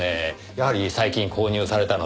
やはり最近購入されたのでしょうか？